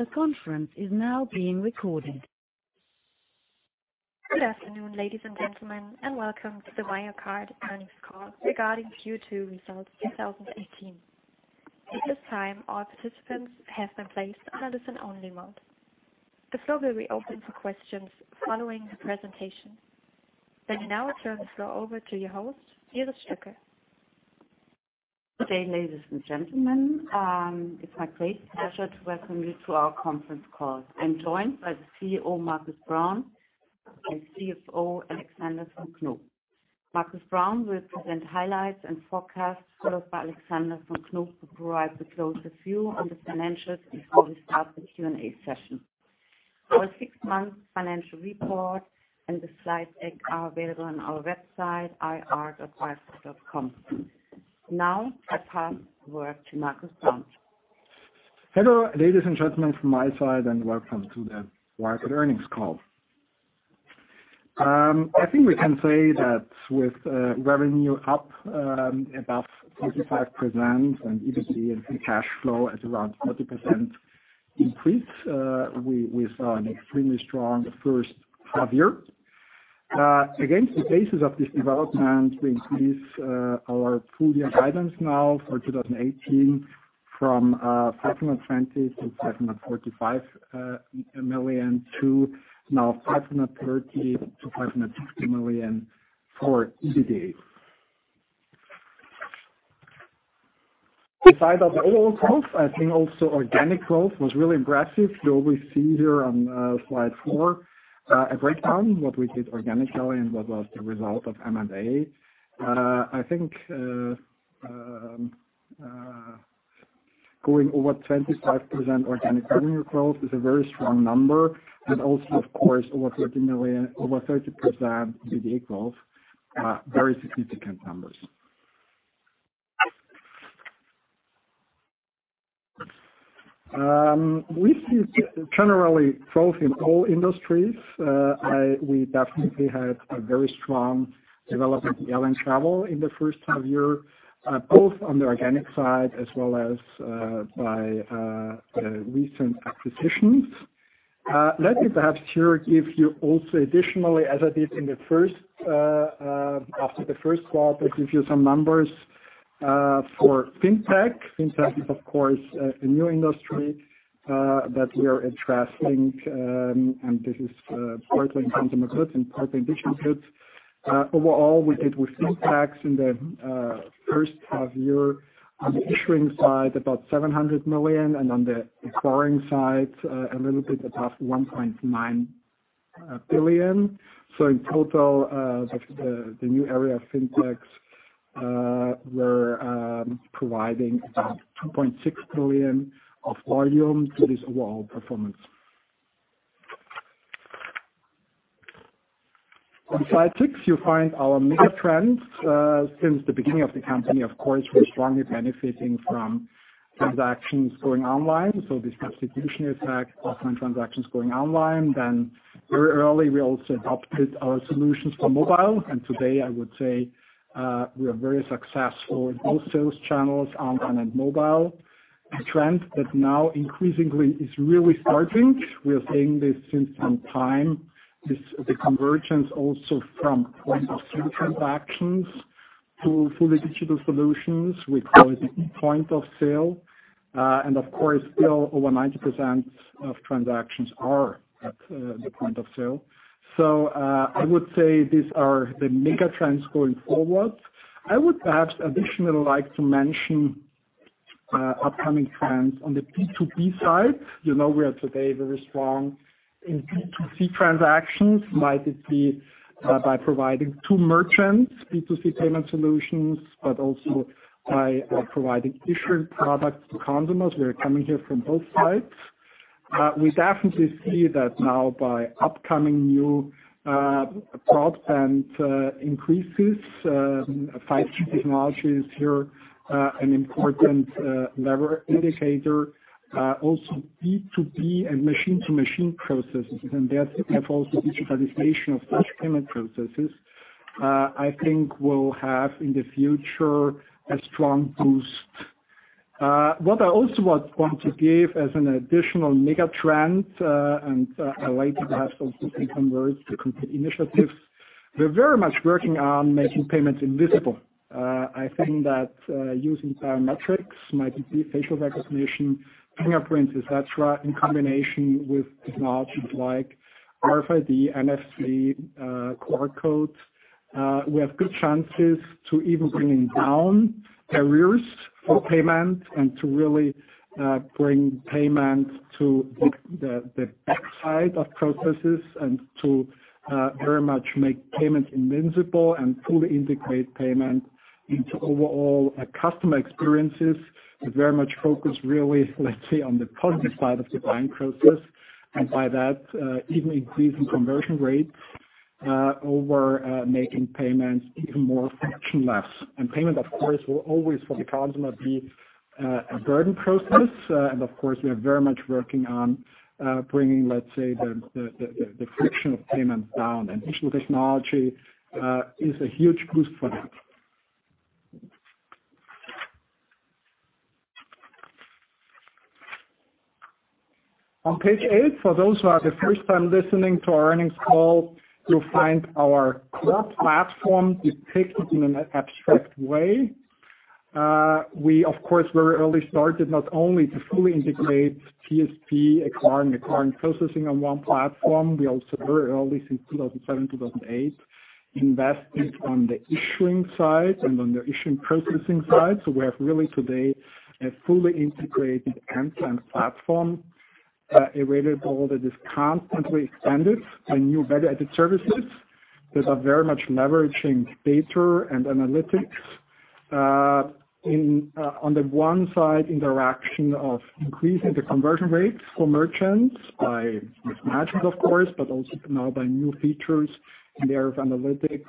The conference is now being recorded. Good afternoon, ladies and gentlemen, and welcome to the Wirecard Earnings Call regarding Q2 results 2018. At this time, all participants have been placed on a listen-only mode. The floor will be open to questions following the presentation. Let me now turn the floor over to your host, Iris Stöcker. Good day, ladies and gentlemen. It's my great pleasure to welcome you to our conference call. I'm joined by the CEO, Markus Braun, and CFO, Alexander von Knoop. Markus Braun will present highlights and forecasts, followed by Alexander von Knoop who provides the closest view on the financials, before we start the Q&A session. Our 6-month financial report and the slide deck are available on our website, ir.wirecard.com. Now, I pass over to Markus Braun. Hello, ladies and gentlemen, from my side, and welcome to the Wirecard earnings call. I think we can say that with revenue up about 35% and EBITDA and free cash flow at around 30% increase, we saw an extremely strong first half-year. Against the basis of this development, we increase our full-year guidance now for 2018 from 520 million-545 million to now 530 million-560 million for EBITDA. Besides the overall growth, I think also organic growth was really impressive, though we see here on slide four a breakdown what we did organically and what was the result of M&A. I think going over 25% organic revenue growth is a very strong number, and also of course over 30% EBITDA growth, very significant numbers. We see generally growth in all industries. We definitely had a very strong development in airline travel in the first half year, both on the organic side as well as by recent acquisitions. Let me perhaps here give you also additionally, as I did after the first call, let me give you some numbers for FinTech. FinTech is of course, a new industry that we are addressing, and this is partly in consumer goods and partly in business goods. In total, we did with FinTechs in the first half year on the issuing side, about 700 million, and on the acquiring side, a little bit above 1.9 billion. In total, the new area of FinTechs, we're providing about 2.6 billion of volume to this overall performance. On slide six, you find our mega trends. Since the beginning of the company, of course, we're strongly benefiting from transactions going online. This substitution effect, offline transactions going online. Very early, we also adopted our solutions for mobile, and today I would say we are very successful in both sales channels, online and mobile. A trend that now increasingly is really starting, we are seeing this since some time, is the convergence also from point-of-sale transactions to fully digital solutions. We call it point-of-sale. Of course, still over 90% of transactions are at the point-of-sale. I would say these are the mega trends going forward. I would perhaps additionally like to mention upcoming trends on the B2B side. You know we are today very strong in B2C transactions, might it be by providing to merchants B2C payment solutions, but also by providing different products to consumers. We are coming here from both sides. We definitely see that now by upcoming new products and increases, 5G technology is here an important lever indicator. Also B2B and machine-to-machine processes and therefore also digitalization of such payment processes, I think will have in the future a strong boost. What I also want to give as an additional mega trend, and I like to have also some converts to complete initiatives. We're very much working on making payments invisible. I think that using biometrics, might it be facial recognition, fingerprints, etc., in combination with technologies like RFID, NFC, QR codes, we have good chances to even bringing down barriers for payment and to really bring payment to the backside of processes and to very much make payment invisible and fully integrate payment into overall customer experiences. We very much focus really, let's say, on the positive side of the buying process. By that, even increasing conversion rates over making payments even more frictionless. Payment, of course, will always for the consumer be a burden process. Of course, we are very much working on bringing, let's say, the friction of payment down. Digital technology is a huge boost for that. On page eight, for those who are the first time listening to our earnings call, you'll find our core platform depicted in an abstract way. We, of course, very early started not only to fully integrate TSP, acquire and acquire processing on one platform, we also very early, since 2007, 2008, invested on the issuing side and on the issuing processing side. We have really today a fully integrated end-to-end platform, a that is constantly expanded by new value-added services that are very much leveraging data and analytics. On the one side, interaction of increasing the conversion rates for merchants by match, of course, but also now by new features in the area of analytics,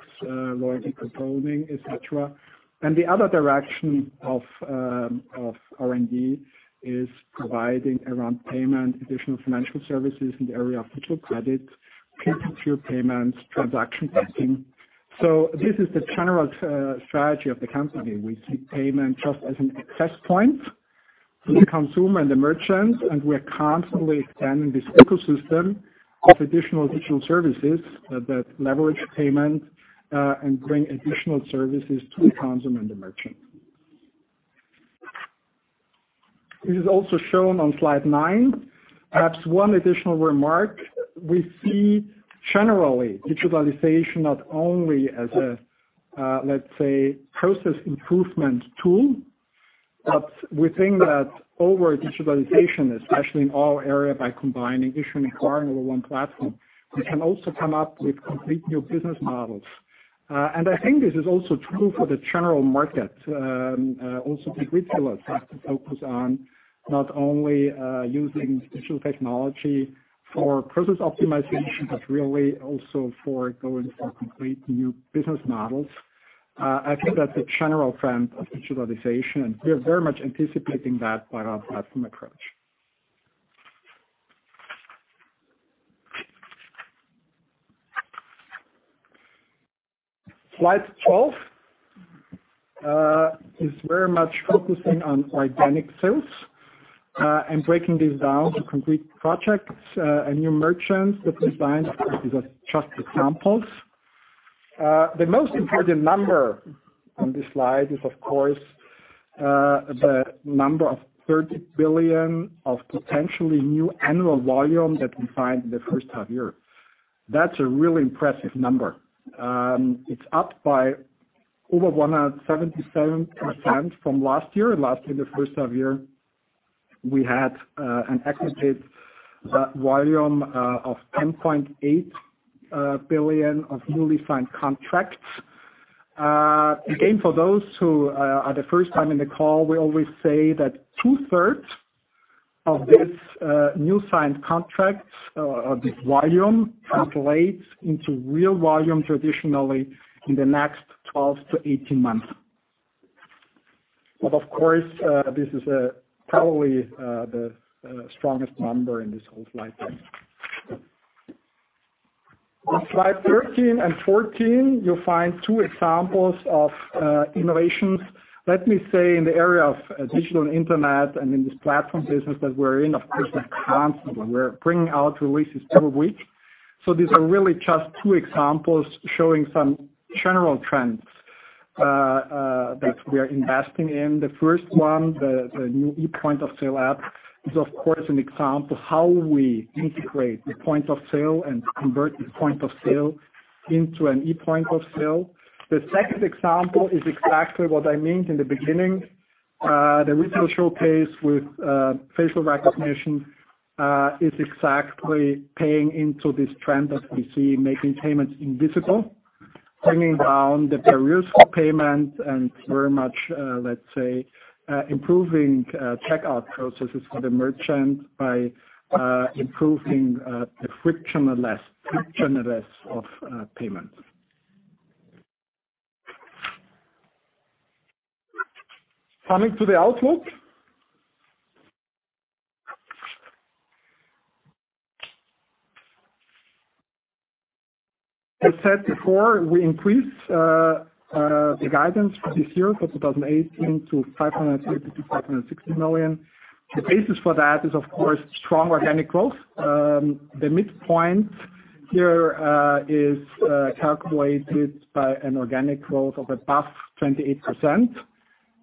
loyalty controlling, et cetera. The other direction of R&D is providing around payment, additional financial services in the area of digital credit, P2P payments, transaction banking. This is the general strategy of the company. We see payment just as an access point for the consumer and the merchant, and we are constantly expanding this ecosystem of additional digital services that leverage payment, and bring additional services to the consumer and the merchant. This is also shown on slide nine. Perhaps one additional remark, we see generally digitalization not only as a, let's say, process improvement tool, but we think that over digitalization, especially in our area by combining issuing and acquiring over one platform, we can also come up with complete new business models. I think this is also true for the general market. Also big retailers have to focus on not only using digital technology for process optimization, but really also for going for complete new business models. I think that's a general trend of digitalization, and we are very much anticipating that by our platform approach. Slide 12 is very much focusing on organic sales, and breaking this down to complete projects, and new merchants that we signed. These are just examples. The most important number on this slide is, of course, the number of 30 billion of potentially new annual volume that we signed in the first half year. That's a really impressive number. It's up by over 177% from last year. Last year, the first half year, we had an executed volume of 10.8 billion of newly signed contracts. Again, for those who are the first time in the call, we always say that two-thirds of this new signed contracts, of this volume translates into real volume traditionally in the next 12 to 18 months. Of course, this is probably the strongest number in this whole slide deck. On slide 13 and 14, you'll find two examples of innovations, let me say in the area of digital and internet, and in this platform business that we're in, of course, constantly, we're bringing out releases every week. These are really just two examples showing some general trends that we are investing in. The first one, the new e-point of sale app is of course an example how we integrate the point of sale and convert the point of sale into an ePoint of Sale. The second example is exactly what I meant in the beginning. The retail showcase with facial recognition, is exactly paying into this trend that we see making payments invisible, bringing down the barriers for payment, and very much, let's say, improving checkout processes for the merchant by improving the frictionless of payments. Coming to the outlook. I said before, we increased the guidance for this year for 2018 to 530 million-560 million. The basis for that is, of course, strong organic growth. The midpoint here is calculated by an organic growth of above 28%.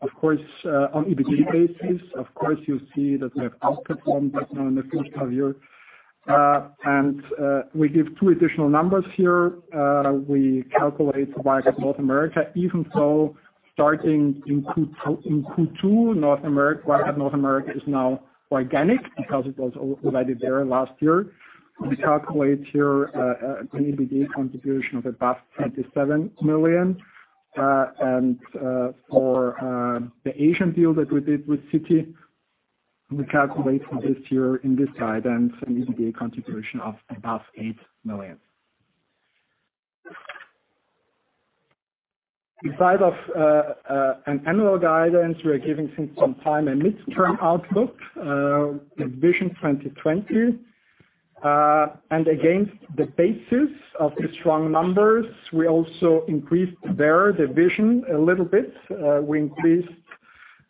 Of course, on EBITDA basis, of course, you see that we have outperformed that now in the first half year. We give two additional numbers here. We calculate Wirecard North America, even so starting in Q2, Wirecard North America is now organic because it was already there last year. We calculate here an EBITDA contribution of above 27 million. For the Asian deal that we did with Citi, we calculate for this year in this guidance an EBITDA contribution of above EUR 8 million. Beside of an annual guidance, we are giving since some time a midterm outlook, Vision 2020. Against the basis of the strong numbers, we also increased there the Vision a little bit. We increased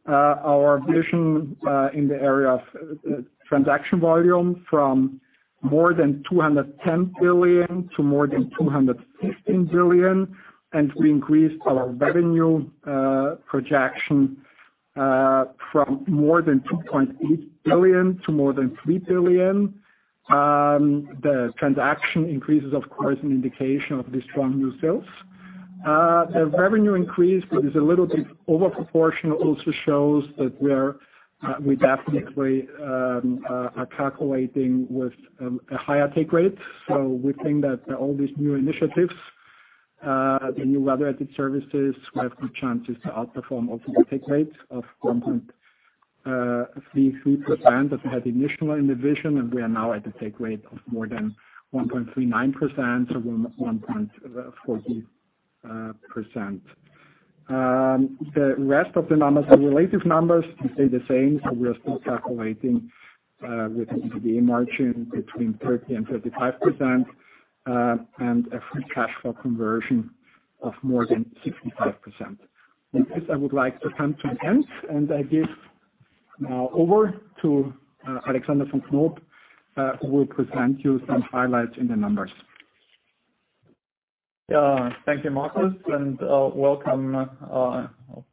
our Vision in the area of transaction volume from more than 210 billion to more than 215 billion. We increased our revenue projection from more than 2.8 billion to more than 3 billion. The transaction increase is, of course, an indication of the strong new sales. The revenue increase, which is a little bit over proportional, also shows that we definitely are calculating with a higher take rate. We think that all these new initiatives, the new value-added services, have good chances to outperform also the take rate of 1.33% that we had initially in the Vision, and we are now at the take rate of more than 1.39%, so 1.40%. The rest of the numbers, the relative numbers, stay the same. We are still calculating with an EBITDA margin between 30% and 35%, and a free cash flow conversion of more than 65%. With this, I would like to come to an end, and I give now over to Alexander von Knoop, who will present you some highlights in the numbers. Thank you, Markus, and welcome, of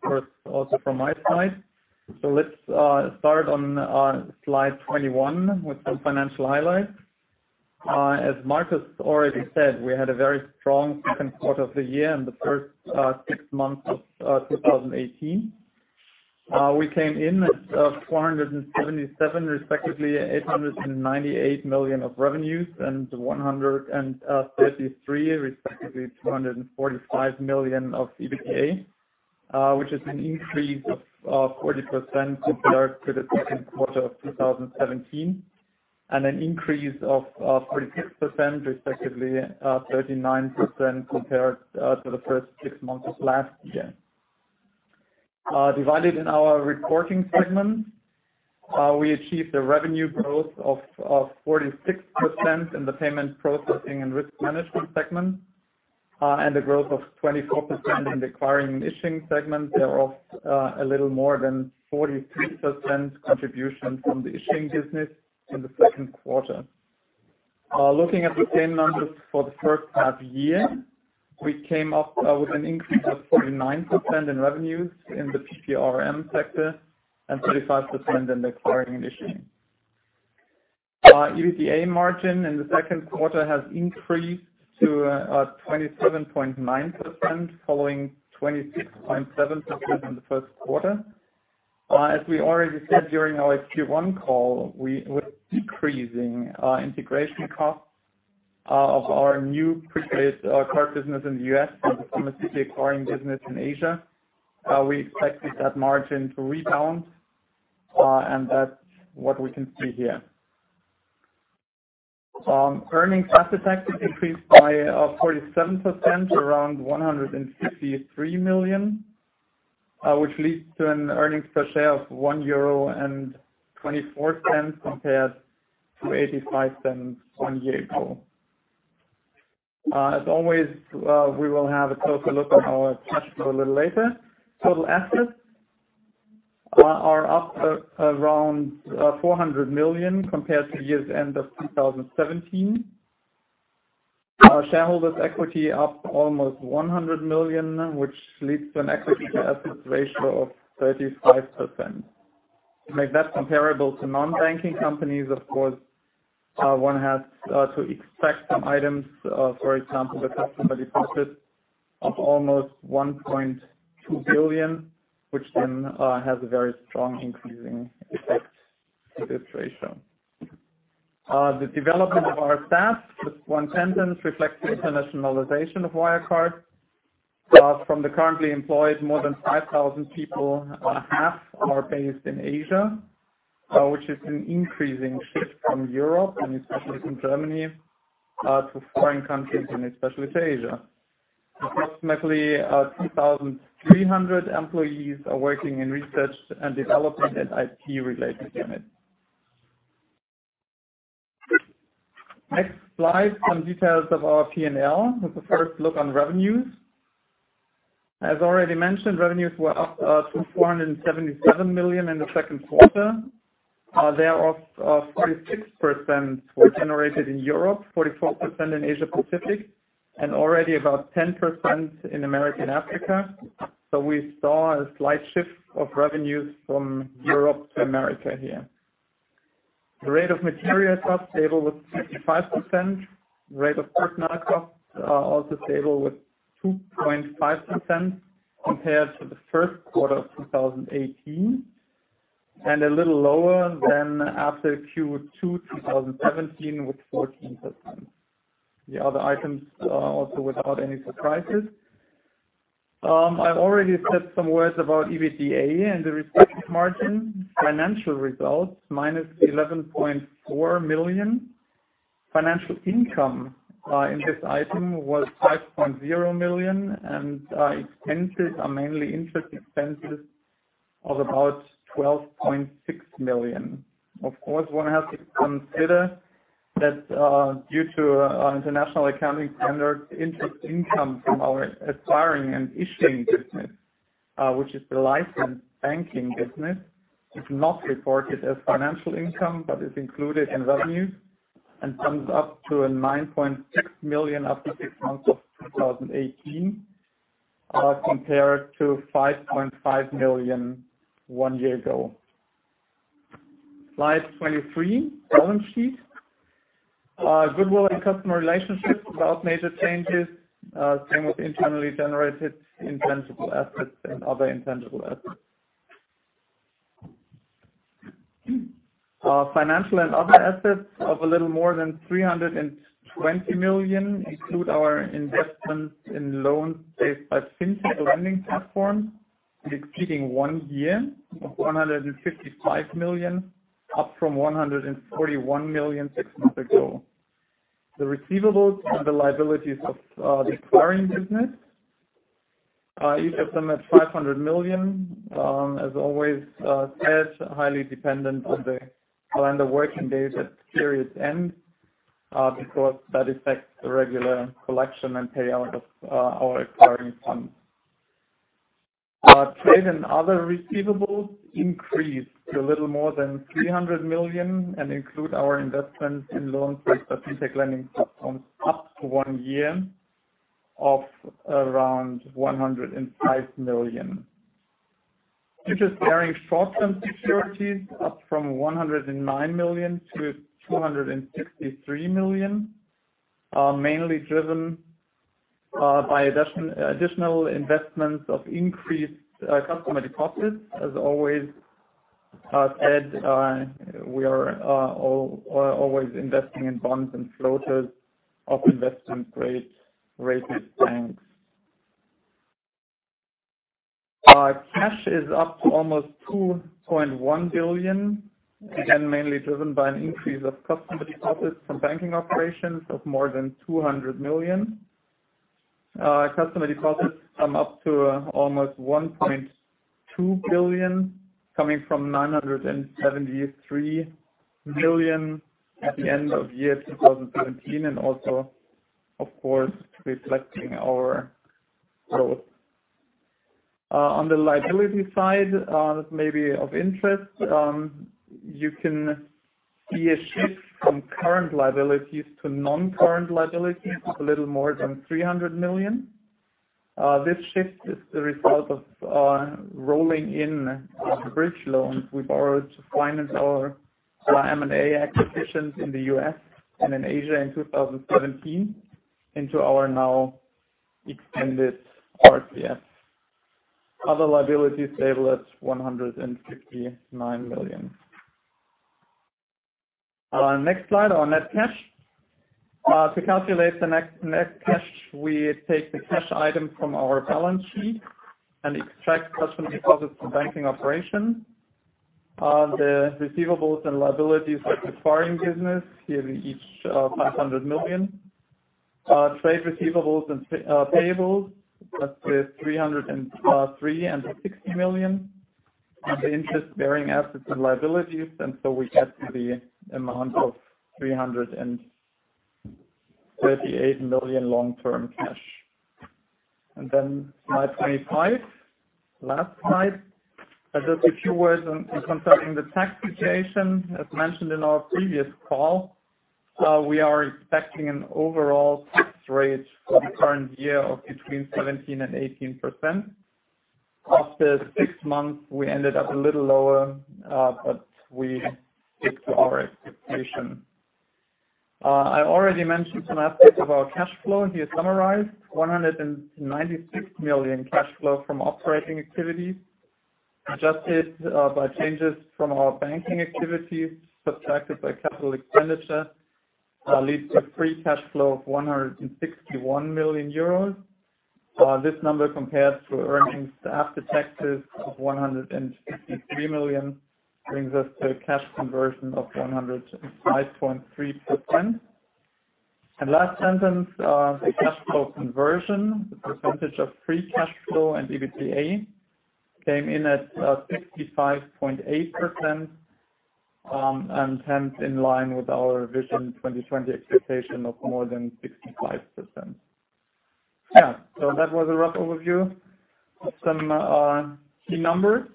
course, also from my side. Let's start on slide 21 with some financial highlights. As Markus already said, we had a very strong second quarter of the year in the first six months of 2018. We came in at 477 million, respectively 898 million of revenues and 133 million, respectively 245 million of EBITDA, which is an increase of 40% compared to the second quarter of 2017, and an increase of 46%, respectively, 39% compared to the first six months of last year. Divided in our reporting segments, we achieved a revenue growth of 46% in the payment processing and risk management segment, and a growth of 24% in the acquiring and issuing segment, thereof a little more than 43% contribution from the issuing business in the second quarter. Looking at the same numbers for the first half year, we came up with an increase of 49% in revenues in the PPRM sector and 35% in the acquiring and issuing. Our EBITDA margin in the second quarter has increased to 27.9%, following 26.7% in the first quarter. We already said during our Q1 call, with decreasing integration costs of our new prepaid card business in the U.S. and the commercial acquiring business in Asia, we expected that margin to rebound, and that's what we can see here. Earnings after tax increased by 47%, to around 163 million, which leads to an earnings per share of 1.24 euro compared to 0.85 one year ago. As always, we will have a closer look at our cash flow a little later. Total assets are up around 400 million compared to year's end of 2017. Our shareholders' equity up almost 100 million, which leads to an equity to assets ratio of 35%. To make that comparable to non-banking companies, of course, one has to extract some items. For example, the customer deposits of almost 1.2 billion, which then has a very strong increasing effect to this ratio. The development of our staff, this one tendance reflects the internationalization of Wirecard. From the currently employed more than 5,000 people, half are based in Asia, which is an increasing shift from Europe and especially from Germany, to foreign countries, and especially to Asia. Approximately 2,300 employees are working in research and development and IT-related units. Next slide, some details of our P&L with the first look on revenues. Already mentioned, revenues were up to 477 million in the second quarter. Thereof, 46% were generated in Europe, 44% in Asia Pacific, and already about 10% in America and Africa. We saw a slight shift of revenues from Europe to America here. The rate of material costs stable with 65%. Rate of personnel costs are also stable with 2.5% compared to the first quarter of 2018, and a little lower than after Q2 2017 with 14%. The other items are also without any surprises. I already said some words about EBITDA and the respective margin. Financial results, minus 11.4 million. Financial income in this item was 5.0 million and expenses are mainly interest expenses of about 12.6 million. Of course, one has to consider that due to international accounting standards, interest income from our acquiring and issuing business, which is the licensed banking business, is not reported as financial income but is included in revenues and comes up to 9.6 million after six months of 2018, compared to 5.5 million one year ago. Slide 23, balance sheet. Goodwill and customer relationships, without major changes. Same with internally generated intangible assets and other intangible assets. Financial and other assets of a little more than 320 million include our investments in loans placed by FinTech lending platforms, exceeding one year of 155 million, up from 141 million six months ago. The receivables and the liabilities of the acquiring business, each of them at 500 million. Always said, highly dependent on the calendar working days at period end, because that affects the regular collection and payout of our acquiring funds. Trade and other receivables increased to a little more than 300 million and include our investment in loans placed by FinTech lending platforms up to one year of around 105 million. Interest-bearing short-term securities up from 109 million to 263 million, mainly driven by additional investments of increased customer deposits. As always said, we are always investing in bonds and floaters of investment-grade rated banks. Cash is up to almost 2.1 billion, again, mainly driven by an increase of customer deposits from banking operations of more than 200 million. Customer deposits come up to almost 1.2 billion, coming from 973 million at the end of 2017, and also, of course, reflecting our growth. On the liability side, maybe of interest, you can see a shift from current liabilities to non-current liabilities of a little more than 300 million. This shift is the result of rolling in the bridge loans we borrowed to finance our M&A acquisitions in the U.S. and in Asia in 2017 into our now expanded RCF. Other liabilities stable at 159 million. Next slide on net cash. To calculate the net cash, we take the cash item from our balance sheet and extract customer deposits for banking operations. The receivables and liabilities of the acquiring business, here each 500 million. Trade receivables and payables with 303 million and 60 million, and the interest-bearing assets and liabilities. We get to the amount of 338 million long-term cash. Slide 25, last slide. Just a few words concerning the tax situation. As mentioned in our previous call, we are expecting an overall tax rate for the current year of between 17%-18%. Of the six months, we ended up a little lower, but we stick to our expectation. I already mentioned some aspects of our cash flow. Here summarized, 196 million cash flow from operating activities, adjusted by changes from our banking activities, subtracted by capital expenditure, leads to a free cash flow of 61 million euros. This number, compared to earnings after taxes of 163 million, brings us to a cash conversion of 105.3%. Last sentence, the cash flow conversion, the percentage of free cash flow and EBITDA, came in at 65.8%, hence in line with our Vision 2020 expectation of more than 65%. That was a rough overview of some key numbers.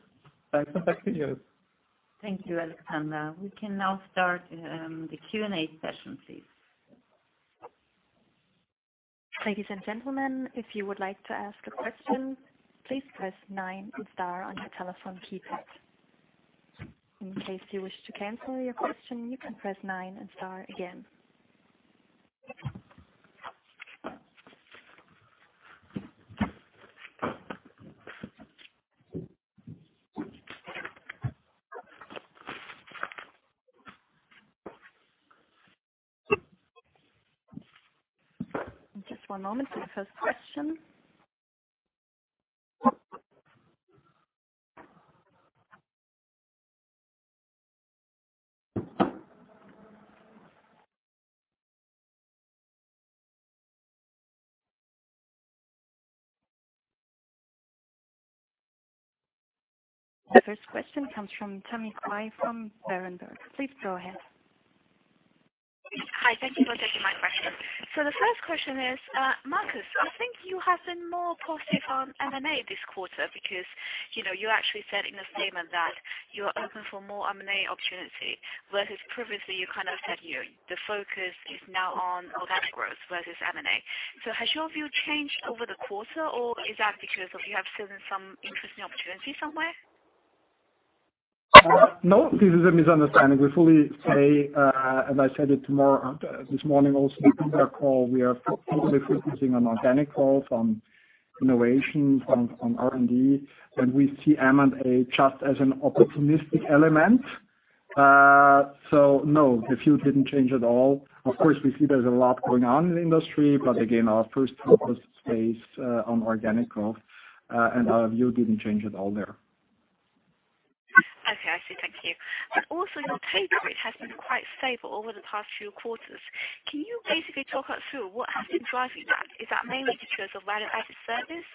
Back to you. Thank you, Alexander. We can now start the Q&A session, please. Ladies and gentlemen, if you would like to ask a question, please press 9 star on your telephone keypad. In case you wish to cancel your question, you can press 9 and star again. Just one moment for the first question. The first question comes from Tammy Qiu from Berenberg. Please go ahead. Hi. Thank you for taking my question. The first question is, Markus, I think you have been more positive on M&A this quarter because you actually said in the statement that you are open for more M&A opportunity, whereas previously, you said the focus is now on organic growth, whereas M&A. Has your view changed over the quarter, or is that because you have seen some interesting opportunities somewhere? No, this is a misunderstanding. We fully say, as I said it this morning also in our call, we are fully focusing on organic growth, on innovation, on R&D, and we see M&A just as an opportunistic element. No, the view didn't change at all. Of course, we see there's a lot going on in the industry, again, our first focus stays on organic growth, and our view didn't change at all there. Okay, I see. Thank you. Also your take rate has been quite stable over the past few quarters. Can you basically talk us through what has been driving that? Is that mainly because of value-added service?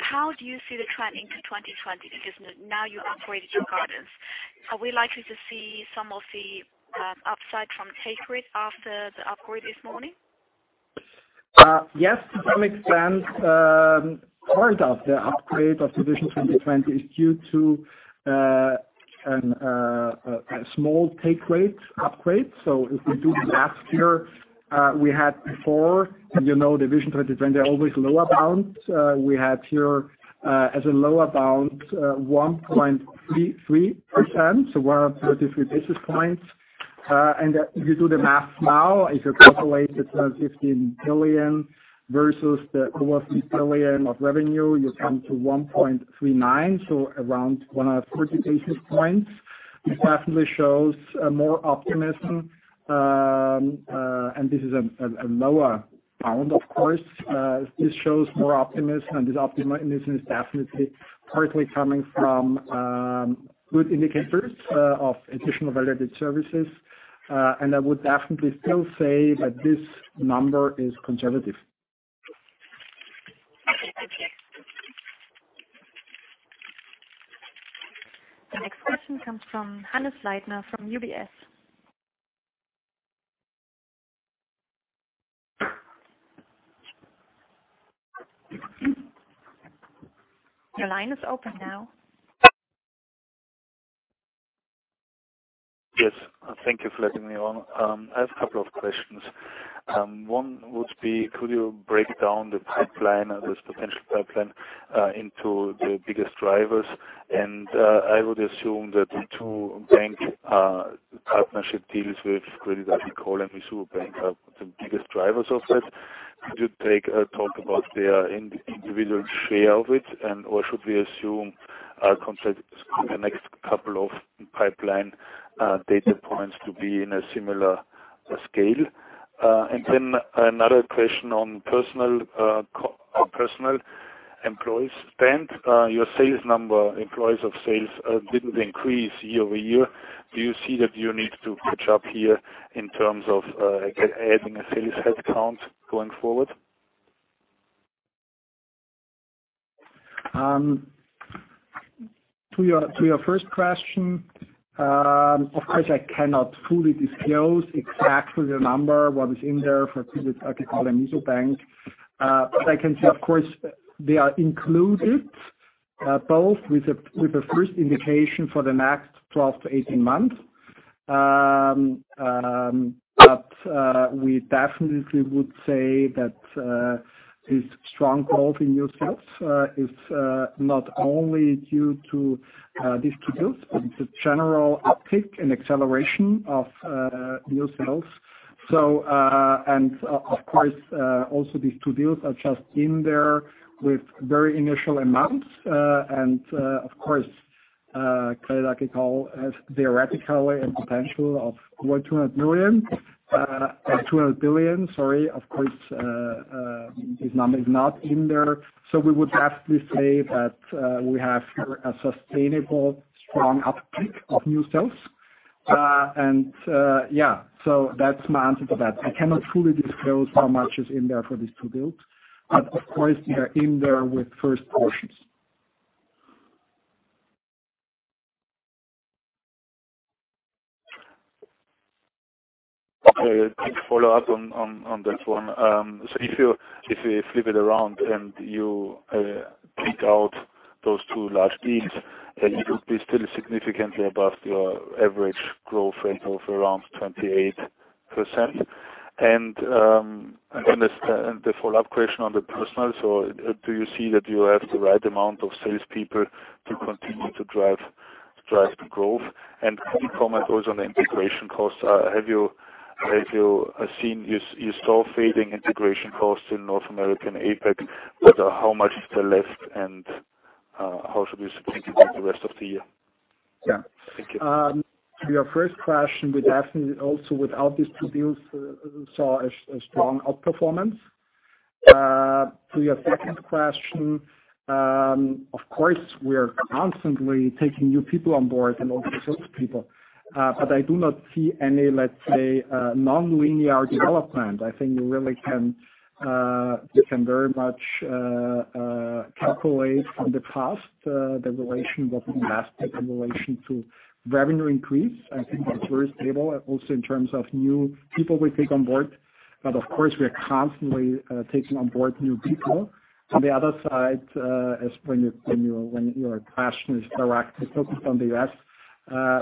How do you see the trend into 2020 because now you've upgraded your guidance? Are we likely to see some of the upside from take rate after the upgrade this morning? Yes, to some extent. Part of the upgrade of Vision 2020 is due to a small take rate upgrade. If we do last year, we had before, and you know Vision 2020 are always lower bound. We had here as a lower bound, 1.33%, so one of 33 basis points. If you do the math now, if you calculate the 15 billion versus the 12 billion of revenue, you come to 1.39%, so around one of 139 basis points. It definitely shows more optimism. This is a lower bound, of course. This shows more optimism, and this optimism is definitely partly coming from good indicators of additional value-added services. I would definitely still say that this number is conservative. Okay. Thank you. The next question comes from Hannes Leitner from UBS. Your line is open now. Yes. Thank you for letting me on. I have a couple of questions. One would be, could you break down the potential pipeline into the biggest drivers? I would assume that the two bank partnership deals with Crédit Agricole and Mizuho Bank are the biggest drivers of that. Could you talk about their individual share of it, or should we assume our next couple of pipeline data points to be in a similar scale? Another question on personnel employees spend. Your sales number, employees of sales, didn't increase year-over-year. Do you see that you need to catch up here in terms of adding a sales headcount going forward? To your first question, of course, I cannot fully disclose exactly the number, what is in there for Crédit Agricole and Mizuho Bank. I can say, of course, they are included, both with the first indication for the next 12 to 18 months. We definitely would say that this strong growth in new sales is not only due to these two deals, but the general uptick and acceleration of new sales. Of course, also these two deals are just in there with very initial amounts. Of course, Crédit Agricole has theoretically a potential of 200 billion. Of course, this number is not in there. We would definitely say that we have here a sustainable strong uptick of new sales. Yeah, that's my answer to that. I cannot fully disclose how much is in there for these two deals, but of course, they are in there with first portions. Okay. Quick follow-up on that one. If you flip it around and you take out those two large deals, then you would be still significantly above your average growth rate of around 28%. The follow-up question on the personnel. Do you see that you have the right amount of salespeople to continue to drive growth? Can you comment also on the integration costs? You saw fading integration costs in North America and APAC, but how much is still left, and how should we think about the rest of the year? Yeah. Thank you. To your first question, we definitely also, without these two deals, saw a strong out-performance. To your second question, of course, we are constantly taking new people on board and also those people. I do not see any, let's say, non-linear development. I think you can very much calculate from the past, the relation of investment in relation to revenue increase. I think it's very stable, also in terms of new people we take on board. Of course, we are constantly taking on board new people. On the other side, as when your question is directly focused on the U.S.,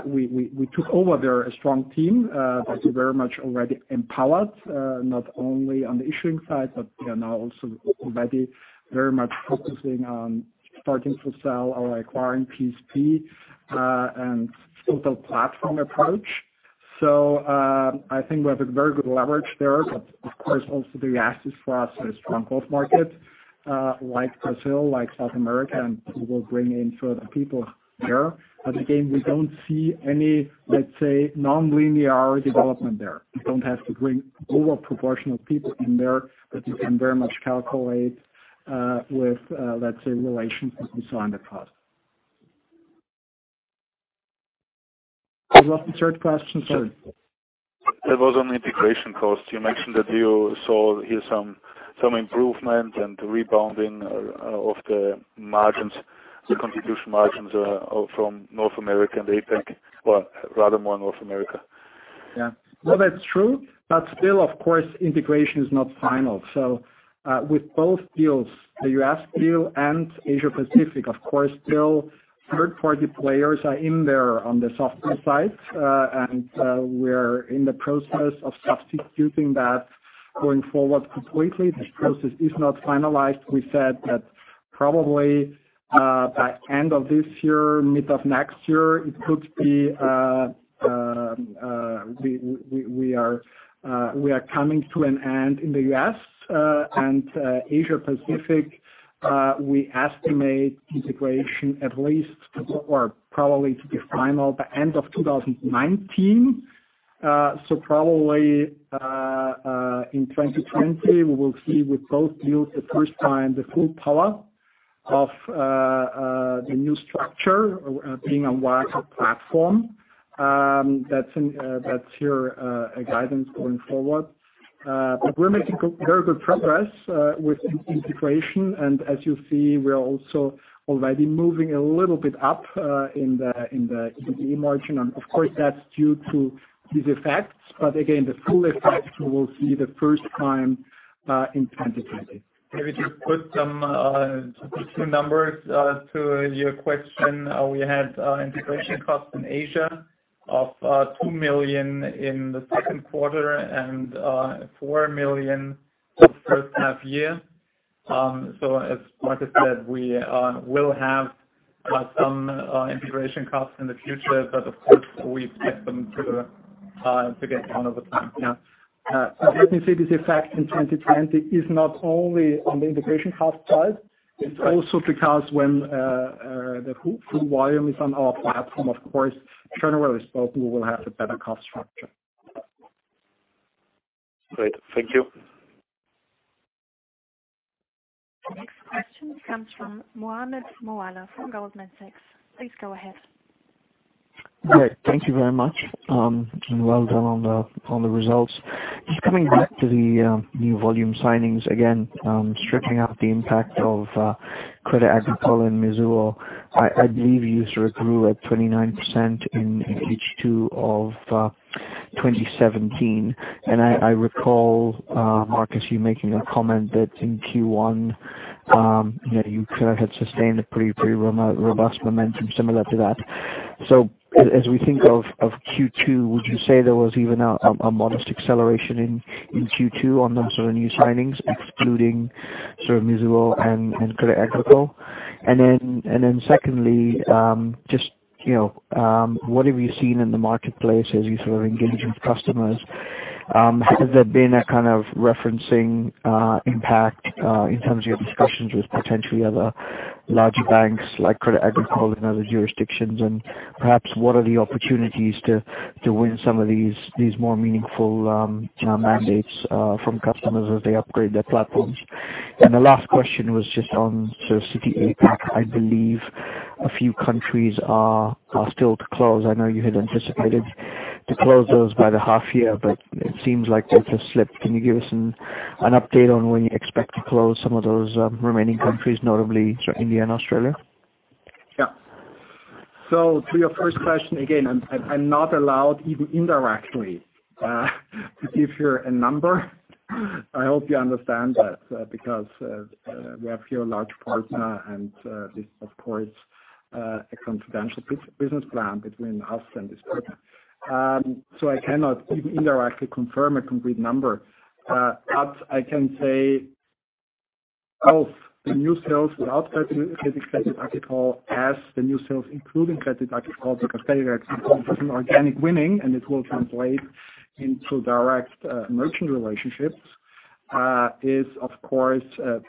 we took over there a strong team, that we very much already empowered, not only on the issuing side, but we are now also already very much focusing on starting to sell our acquiring PSP, and total platform approach. I think we have a very good leverage there. Of course, also the U.S. for us is strong both markets, like Brazil, like South America, and we will bring in further people there. Again, we don't see any, let's say, non-linear development there. We don't have to bring over proportional people in there that you can very much calculate with, let's say, relations as we saw in the past. Was that the third question? Sorry. That was on integration cost. You mentioned that you saw here some improvement and rebounding of the contribution margins from North America and APAC, well, rather more North America. Well, that's true, but still, of course, integration is not final. With both deals, the U.S. deal and Asia Pacific, of course, still third-party players are in there on the software side. We're in the process of substituting that going forward completely. This process is not finalized. We said that probably, by end of this year, mid of next year, it could be we are coming to an end in the U.S. Asia Pacific, we estimate integration at least, or probably to be final by end of 2019. Probably, in 2020, we will see with both deals the first time the full power of the new structure being a Wirecard platform. That's your guidance going forward. We're making very good progress with integration, and as you see, we are also already moving a little bit up in the EBIT margin. Of course, that's due to these effects. Again, the full effect, we will see the first time in 2020. Maybe to put some two numbers to your question. We had integration cost in Asia of 2 million in the second quarter and 4 million the first half year. As Markus said, we will have some integration costs in the future, but of course, we expect them to get down over time. As we can see this effect in 2020 is not only on the integration cost side. It's also because when the full volume is on our platform, of course, generally spoken, we will have a better cost structure. Great. Thank you. Next question comes from Mohammed Moawalla from Goldman Sachs. Please go ahead. Great. Thank you very much, well done on the results. Just coming back to the new volume signings again, stripping out the impact of Crédit Agricole and Mizuho. I believe you sort of grew at 29% in H2 of 2017. I recall, Markus, you making a comment that in Q1, you could have had sustained a pretty robust momentum similar to that. As we think of Q2, would you say there was even a modest acceleration in Q2 on the sort of new signings excluding sort of Mizuho and Crédit Agricole? Secondly, just what have you seen in the marketplace as you sort of engage with customers? Has there been a kind of referencing impact, in terms of your discussions with potentially other larger banks like Crédit Agricole in other jurisdictions, perhaps what are the opportunities to win some of these more meaningful mandates from customers as they upgrade their platforms? The last question was just on sort of Citi APAC. I believe a few countries are still to close. I know you had anticipated to close those by the half year, but it seems like they've just slipped. Can you give us an update on when you expect to close some of those remaining countries, notably India and Australia? Yeah. To your first question, again, I'm not allowed even indirectly to give you a number. I hope you understand that, because we have here a large partner and this, of course, a confidential business plan between us and this partner. I cannot even indirectly confirm a complete number. I can say of the new sales without Crédit Agricole, as the new sales including Crédit Agricole, because Crédit Agricole is an organic winning, and it will translate into direct merchant relationships Is of course,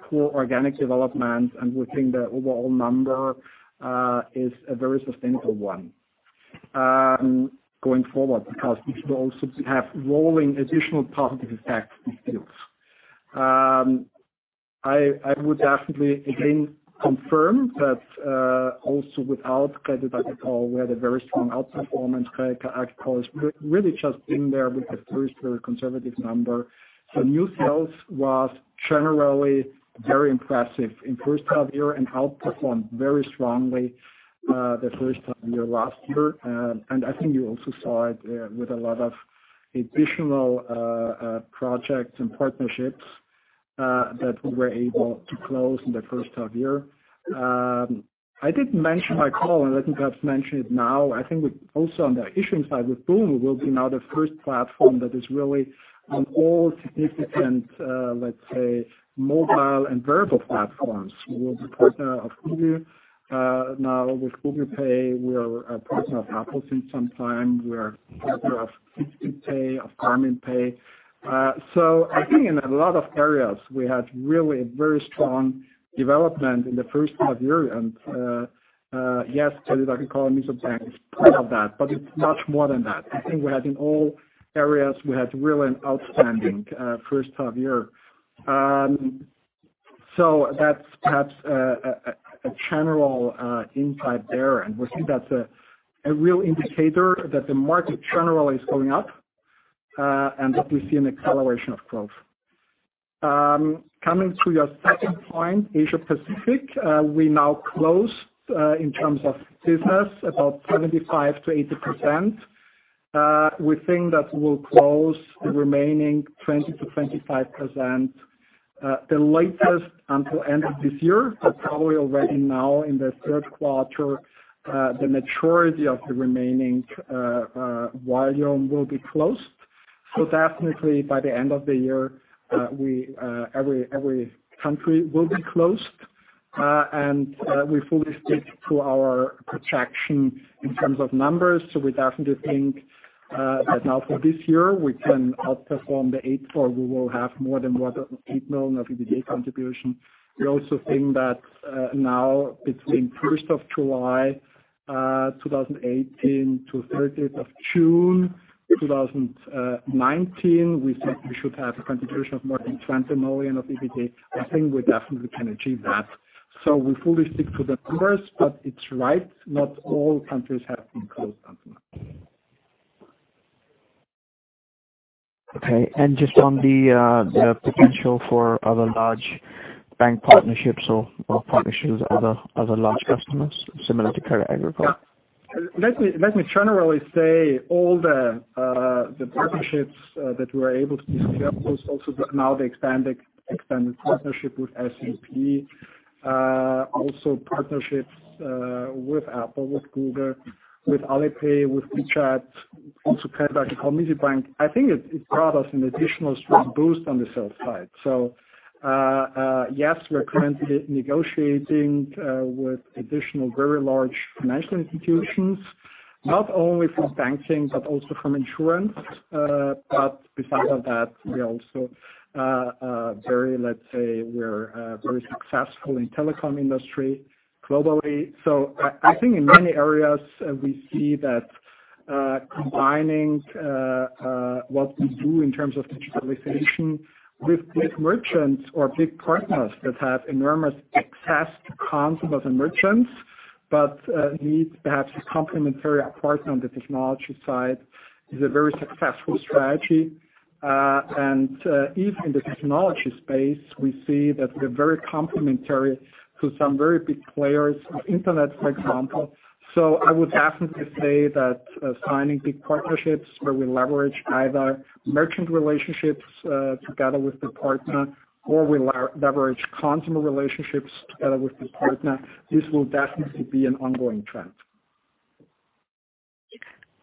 poor organic development, and we think the overall number is a very sustainable one going forward, because we should also have rolling additional positive effects in sales. I would definitely again confirm that also without Crédit Agricole, we had a very strong outperformance. Crédit Agricole has really just been there with a very conservative number. New sales was generally very impressive in first half year and outperformed very strongly the first half year last year. I think you also saw it with a lot of additional projects and partnerships that we were able to close in the first half year. I didn't mention my call, let me perhaps mention it now. I think we also, on the issuing side with Boon, we will be now the first platform that is really on all significant, let's say, mobile and verbal platforms. We're the partner of Google now with Google Pay. We are a partner of Apple since some time. We are a partner of Fitbit Pay, of Garmin Pay. I think in a lot of areas we had really very strong development in the first half year. Yes, Crédit Agricole and Mizuho Bank is part of that, but it's much more than that. I think in all areas, we had really an outstanding first half year. That's perhaps a general insight there, we think that's a real indicator that the market generally is going up, that we see an acceleration of growth. Coming to your second point, Asia Pacific, we now closed, in terms of business, about 75%-80%. We think that we'll close the remaining 20%-25%, the latest until end of this year, but probably already now in the third quarter, the majority of the remaining volume will be closed. Definitely by the end of the year, every country will be closed. We fully stick to our projection in terms of numbers, we definitely think that now for this year, we can outperform the EBITDA. We will have more than 8 million of EBITDA contribution. We also think that now between 1st of July, 2018 to 30th of June, 2019, we said we should have a contribution of more than 20 million of EBITDA. I think we definitely can achieve that. We fully stick to the numbers, but it's right, not all countries have been closed until now. Okay, just on the potential for other large bank partnerships or partnerships, other large customers similar to Crédit Agricole. Let me generally say all the partnerships that we were able to secure, also now the expanded partnership with SAP. Also partnerships with Apple, with Google, with Alipay, with WeChat, also Crédit Agricole, Mizuho Bank. I think it brought us an additional strong boost on the sales side. Yes, we're currently negotiating with additional very large financial institutions, not only from banking but also from insurance. Besides of that, we also are very successful in telecom industry globally. I think in many areas we see that combining what we do in terms of digitalization with big merchants or big partners that have enormous access to consumers and merchants, but need perhaps a complementary partner on the technology side, is a very successful strategy. Even in the technology space, we see that we're very complementary to some very big players of Internet, for example. I would definitely say that signing big partnerships where we leverage either merchant relationships together with the partner, or we leverage consumer relationships together with the partner, this will definitely be an ongoing trend.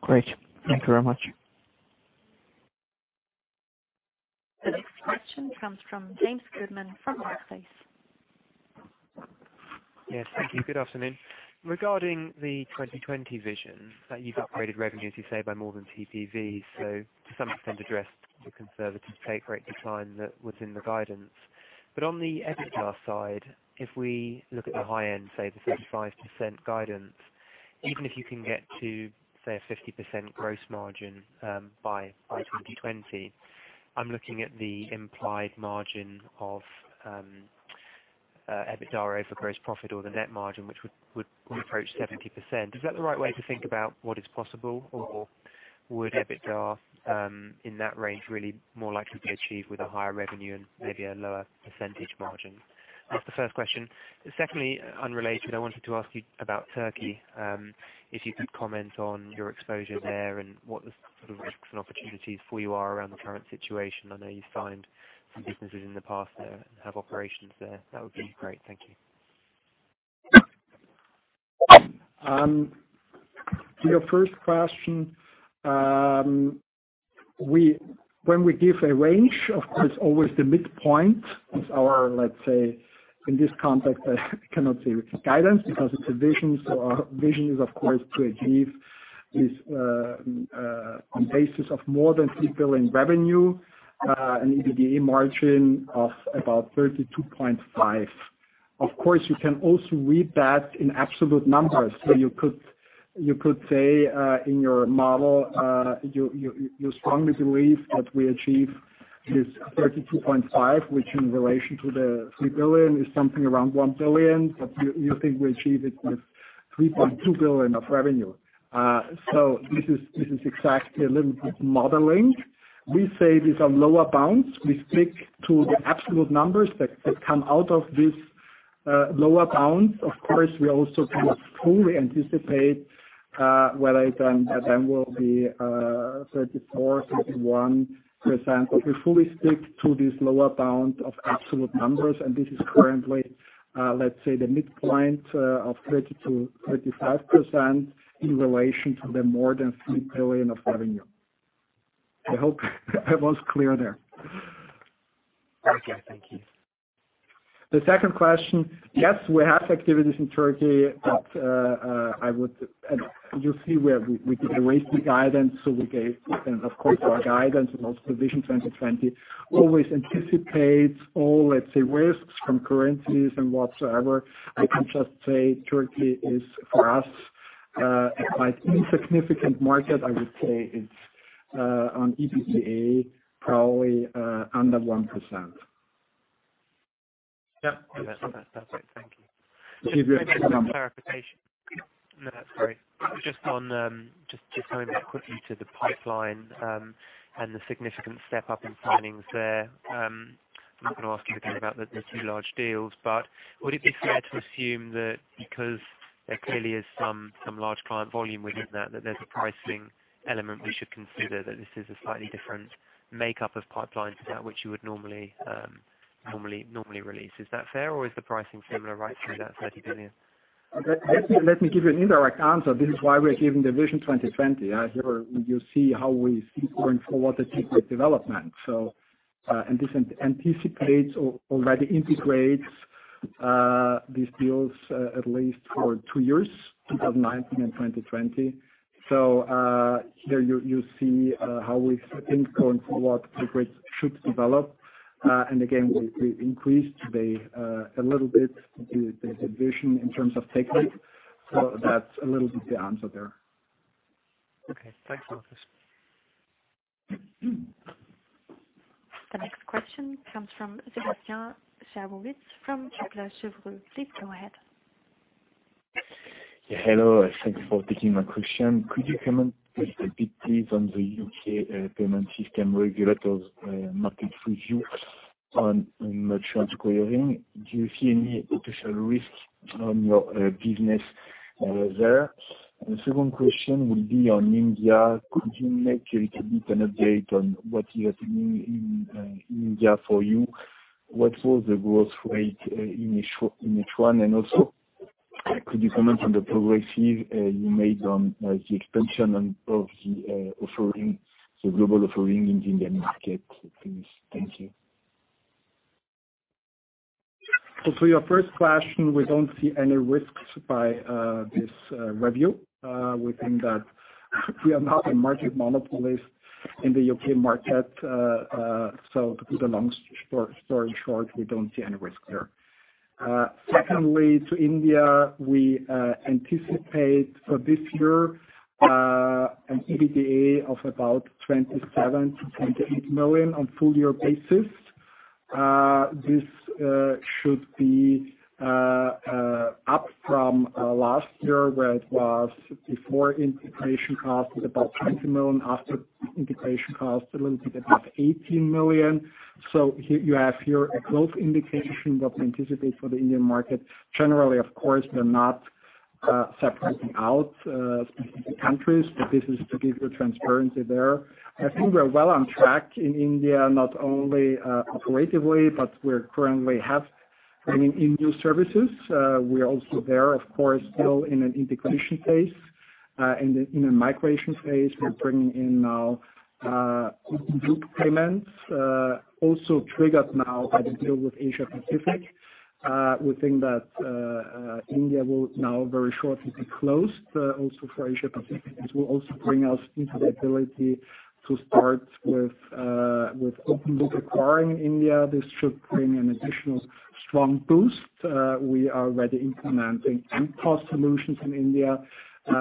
Great. Thank you very much. The next question comes from James Goodman from Barclays. Yes. Thank you. Good afternoon. Regarding the Vision 2020, that you've upgraded revenues, you say by more than TPV, so to some extent addressed the conservative take rate decline that was in the guidance. On the EBITDA side, if we look at the high end, say the 65% guidance, even if you can get to, say, a 50% gross margin by 2020, I'm looking at the implied margin of EBITDA over gross profit or the net margin, which would approach 70%. Is that the right way to think about what is possible or would EBITDA, in that range, really more likely be achieved with a higher revenue and maybe a lower percentage margin? That's the first question. Unrelated, I wanted to ask you about Turkey. If you could comment on your exposure there and what the sort of risks and opportunities for you are around the current situation. I know you've signed some businesses in the past there and have operations there. That would be great. Thank you. To your first question, when we give a range, of course, always the midpoint is our, let's say, in this context, I cannot say guidance because it's a Vision. Our Vision is, of course, to achieve this, on basis of more than tripling revenue, an EBITDA margin of about 32.5%. Of course, you can also read that in absolute numbers. You could say in your model, you strongly believe that we achieve this 32.5%, which in relation to the 3 billion is something around 1 billion, but you think we achieve it with 3.2 billion of revenue. This is exactly a little bit modeling. We say these are lower bounds. We stick to the absolute numbers that come out of these lower bounds. Of course, we also can fully anticipate whether it then will be 34%, 31%, but we fully stick to this lower bound of absolute numbers, and this is currently, let's say, the midpoint of 30%-35% in relation to the more than 3 billion of revenue. I hope I was clear there. Okay. Thank you. The second question. Yes, we have activities in Turkey, but you see where we did raise the guidance. We gave, of course, our guidance and also Vision 2020 always anticipates all, let's say, risks from currencies and whatsoever. I can just say Turkey is, for us, a quite insignificant market. I would say it's on EBITDA, probably under 1%. Yeah. That's it. Thank you. Give you- Maybe just some clarification. No, that's all right. Just coming back quickly to the pipeline, and the significant step up in signings there. I'm not going to ask you again about the two large deals, but would it be fair to assume that because there clearly is some large client volume within that there's a pricing element we should consider, that this is a slightly different makeup of pipelines to that which you would normally release? Is that fair, or is the pricing similar right through that 30 billion? Let me give you an indirect answer. This is why we are giving the Vision 2020. Here you see how we think going forward the ticket development. And this anticipates or already integrates these deals, at least for two years, 2019 and 2020. There you see how we think going forward, the rates should develop. Again, we increased a little bit the division in terms of take rate. That's a little bit the answer there. Okay. Thanks, Markus. The next question comes from Sebastian Emery from Kepler Cheuvreux. Please go ahead. Hello. Thanks for taking my question. Could you comment a bit, please, on the U.K. payment system regulators market review on merchant acquiring? Do you see any official risks on your business there? The second question will be on India. Could you make a little bit an update on what you are doing in India for you? What was the growth rate in H1, and also could you comment on the progress you've made on the expansion of the global offering in the Indian market, please? Thank you. For your first question, we don't see any risks by this review. We think that we are not a market monopolist in the U.K. market. To put a long story short, we don't see any risk there. Secondly, to India, we anticipate for this year an EBITDA of about 27 million-28 million on full year basis. This should be up from last year where it was before integration cost was about 20 million, after integration cost a little bit above 18 million. You have here a close indication of anticipate for the Indian market. Generally, of course, we're not separating out specific countries, but this is to give you transparency there. I think we're well on track in India, not only operatively, but we currently have bringing in new services. We are also there, of course, still in an integration phase, in a migration phase. We're bringing in now open loop payments, also triggered now by the deal with Asia Pacific. We think that India will now very shortly be closed, also for Asia Pacific. This will also bring us into the ability to start with open loop acquiring in India. This should bring an additional strong boost. We are already implementing end cost solutions in India.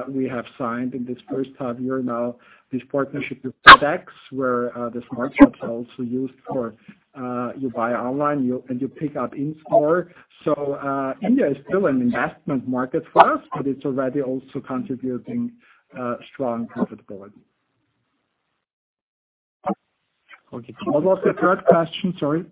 We have signed in this first half-year now this partnership with FedEx, where the Smart Store are also used for, you buy online and you pick up in-store. India is still an investment market for us, but it's already also contributing strong profitability. Okay. How about the third question? Sorry.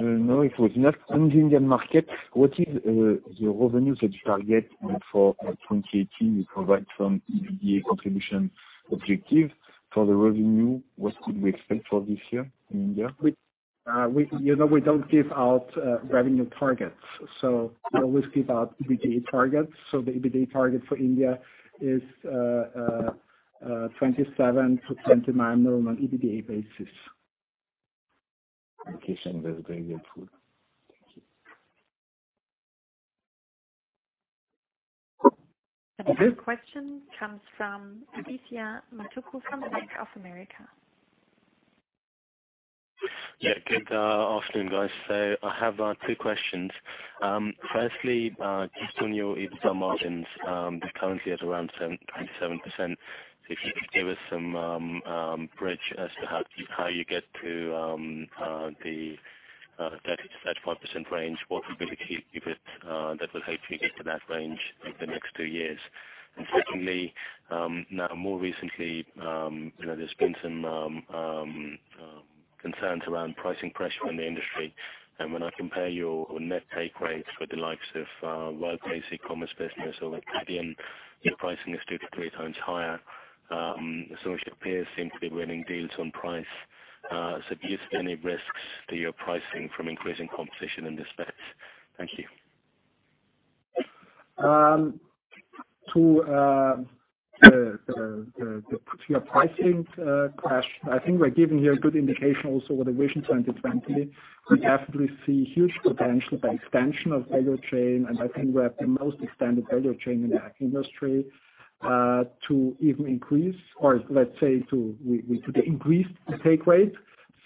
No, it was on the Indian market. What is the revenue that you target for 2018? You provide some EBITDA contribution objective for the revenue. What could we expect for this year in India? We don't give out revenue targets. We always give out EBITDA targets. The EBITDA target for India is 27 million-29 million on EBITDA basis. Okay. Thanks. That's very helpful. Thank you The next question comes from Adithya Metuku from Bank of America. Good afternoon, guys. I have two questions. Firstly, just on your EBITDA margins. They're currently at around 27%, if you could give us some bridge as to how you get to the 30%-35% range, that will help you get to that range over the next two years. Secondly, more recently, there's been some concerns around pricing pressure in the industry. When I compare your net take rates with the likes of Worldpay's e-commerce business or Adyen, your pricing is two to three times higher. Some of your peers seem to be winning deals on price. Do you see any risks to your pricing from increasing competition in this space? Thank you. To your pricing question, I think we're giving here a good indication also with the Vision 2020. We definitely see huge potential by expansion of value chain, I think we have the most extended value chain in the industry, to even increase, or let's say to increase the take rate.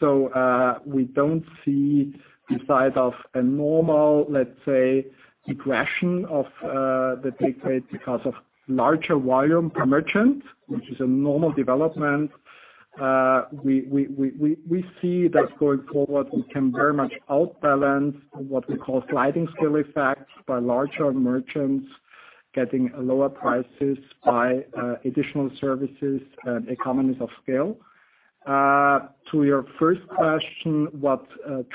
We don't see the side of a normal, let's say, regression of the take rate because of larger volume per merchant, which is a normal development. We see that going forward, we can very much outbalance what we call sliding scale effects by larger merchants getting lower prices by additional services, economies of scale. To your first question, what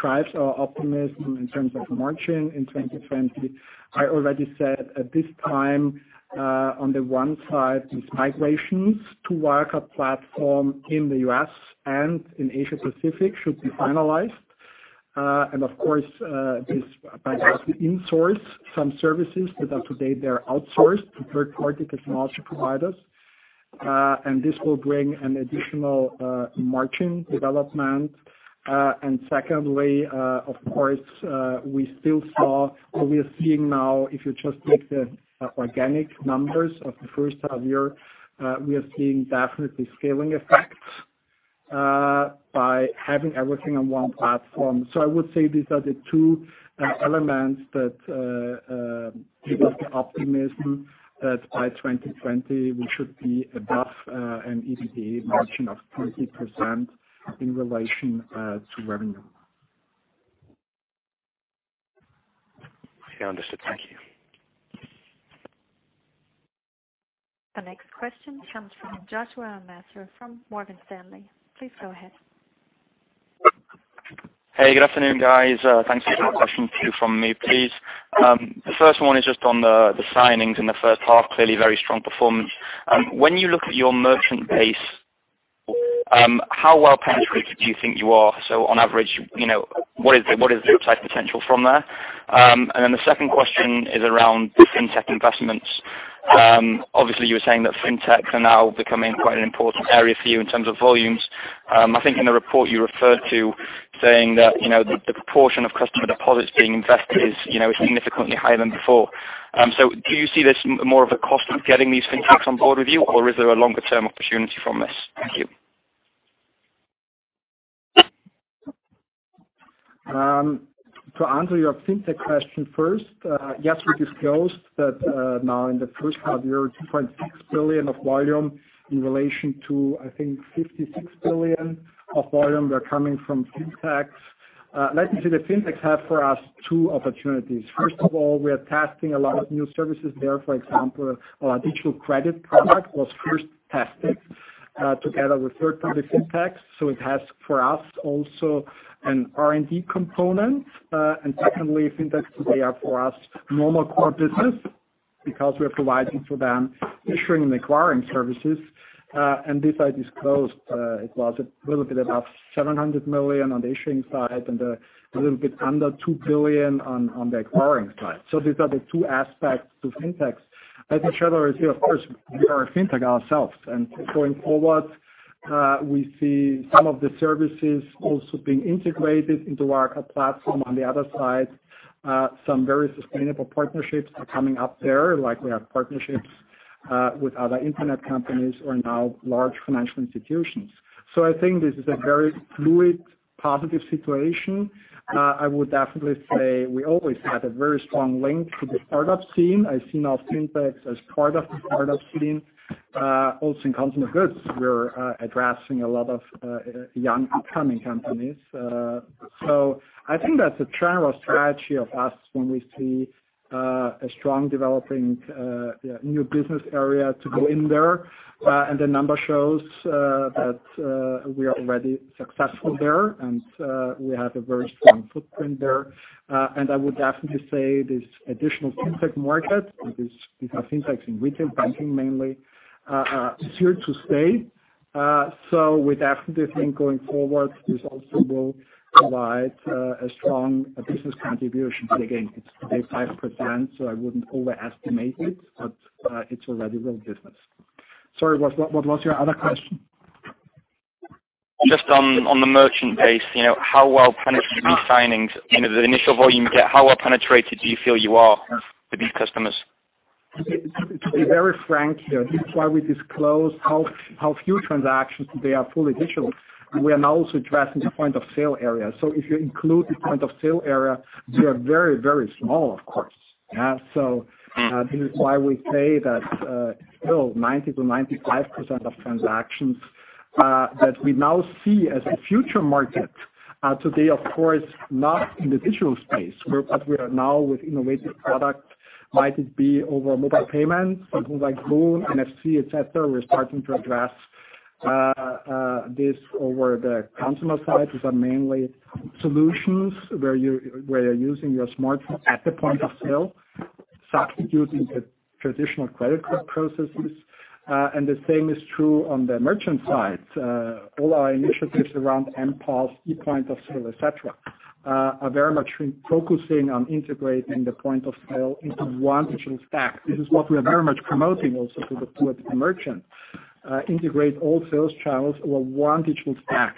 drives our optimism in terms of margin in 2020? I already said at this time, on the one side, these migrations to Wirecard platform in the U.S. and in Asia-Pacific should be finalized. Of course, this by insource some services that up-to-date they are outsourced to third-party technology providers. This will bring an additional margin development. Secondly, of course, we still saw, or we are seeing now, if you just take the organic numbers of the first half year, we are seeing definitely scaling effects by having everything on one platform. I would say these are the two elements that give us the optimism that by 2020, we should be above an EBITDA margin of 30% in relation to revenue. Understood. Thank you. The next question comes from Joshua Levin from Morgan Stanley. Please go ahead. Hey, good afternoon, guys. Thanks. Just two questions from me, please. The first one is just on the signings in the first half. Clearly very strong performance. When you look at your merchant base, how well penetrated do you think you are? On average, what is the upside potential from there? Then the second question is around the FinTech investments. Obviously, you were saying that FinTechs are now becoming quite an important area for you in terms of volumes. I think in the report you referred to saying that the proportion of customer deposits being invested is significantly higher than before. Do you see this more of a cost of getting these FinTechs on board with you, or is there a longer-term opportunity from this? Thank you. To answer your fintech question first, yes, we disclosed that now in the first half year, 2.6 billion of volume in relation to, I think, 56 billion of volume were coming from fintechs. Let me say the fintechs have for us two opportunities. First of all, we are testing a lot of new services there. For example, our digital credit product was first tested together with third-party fintechs. It has for us also an R&D component. Secondly, fintechs today are for us normal core business because we are providing for them issuing and acquiring services. This I disclosed, it was a little bit above 700 million on the issuing side and a little bit under 2 billion on the acquiring side. These are the two aspects to fintechs. As the challenger is here, of course, we are a fintech ourselves, going forward, we see some of the services also being integrated into Wirecard platform. On the other side, some very sustainable partnerships are coming up there, like we have partnerships with other internet companies or now large financial institutions. I think this is a very fluid, positive situation. I would definitely say we always had a very strong link to the startup scene. I see now fintechs as part of the startup scene. Also in consumer goods, we're addressing a lot of young upcoming companies. I think that's a general strategy of us when we see a strong developing new business area to go in there. The number shows that we are already successful there, and we have a very strong footprint there. I would definitely say this additional fintech market, because fintechs in retail banking mainly, is here to stay. We definitely think going forward, this also will provide a strong business contribution. Again, it's today 5%, so I wouldn't overestimate it, but it's a valuable business. Sorry, what was your other question? Just on the merchant base, how well penetrated are these signings? The initial volume you get, how well penetrated do you feel you are with these customers? To be very frank here, this is why we disclose how few transactions today are fully digital. We are now also addressing the point-of-sale area. If you include the point-of-sale area, we are very small, of course. This is why we say that still 90%-95% of transactions, that we now see as a future market. Today, of course, not in the digital space. We are now with innovative products, might it be over mobile payments, something like Boon, NFC, et cetera. We are starting to address this over the consumer side. These are mainly solutions where you are using your smartphone at the point of sale, substituting the traditional credit card processes. The same is true on the merchant side. All our initiatives around mPOS, ePoint of Sale, et cetera, are very much focusing on integrating the point of sale into one digital stack. This is what we are very much promoting also to the merchant. Integrate all sales channels over one digital stack.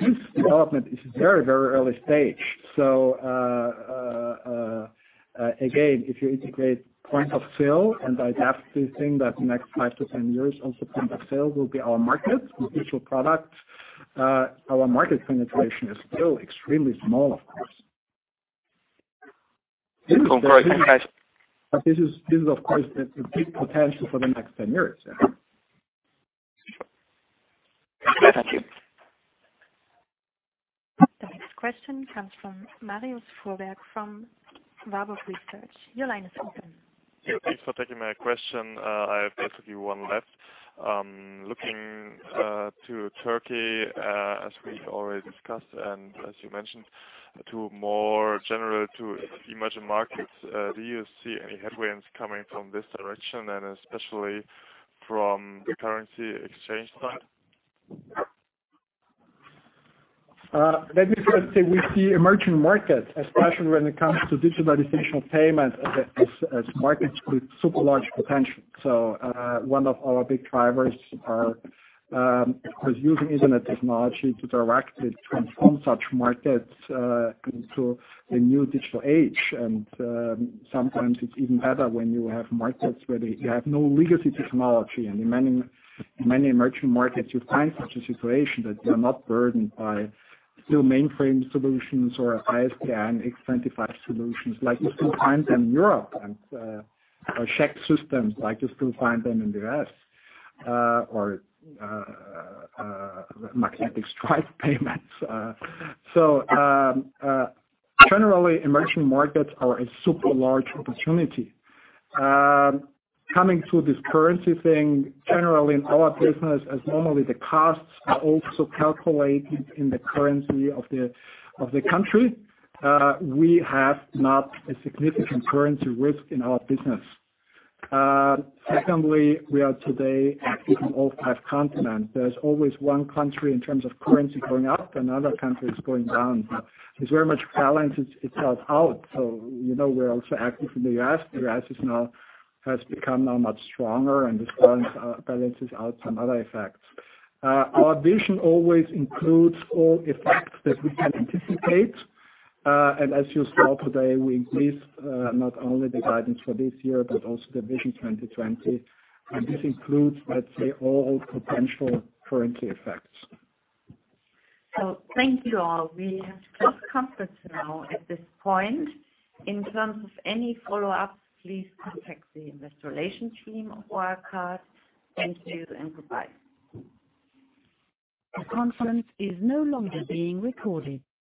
This development is very early stage. Again, if you integrate point of sale, and I definitely think that the next 5 to 10 years also point of sale will be our market with digital products. Our market penetration is still extremely small, of course. No problem. This is, of course, the big potential for the next 10 years, yeah. Thank you. The next question comes from Marius Fuhrberg from Warburg Research. Your line is open. Thanks for taking my question. I have basically one left. Looking to Turkey, as we already discussed, and as you mentioned, to more general to emerging markets, do you see any headwinds coming from this direction and especially from the currency exchange side? Let me first say we see emerging markets, especially when it comes to digitalization of payments, as markets with super large potential. One of our big drivers are, of course, using internet technology to directly transform such markets into a new digital age. Sometimes it's even better when you have markets where they have no legacy technology. In many emerging markets, you find such a situation that they're not burdened by still mainframe solutions or ISDN X.25 solutions like you still find them in Europe, and check systems like you still find them in the U.S., or magnetic stripe payments. Generally, emerging markets are a super large opportunity. Coming to this currency thing, generally in our business, as normally the costs are also calculated in the currency of the country. We have not a significant currency risk in our business. Secondly, we are today active in all five continents. There's always one country in terms of currency going up, another country is going down. It's very much balanced itself out. We're also active in the U.S. The U.S. has become now much stronger, and this balances out some other effects. Our vision always includes all effects that we can anticipate. As you saw today, we increased not only the guidance for this year but also the Vision 2020. This includes, let's say, all potential currency effects. Thank you all. We have to close conference now at this point. In terms of any follow-ups, please contact the investor relation team of Wirecard. Thank you and goodbye. The conference is no longer being recorded.